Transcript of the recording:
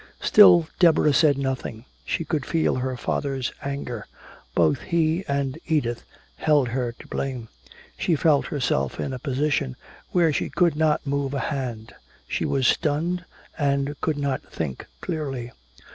Still Deborah said nothing. She could feel her father's anger. Both he and Edith held her to blame. She felt herself in a position where she could not move a hand. She was stunned, and could not think clearly.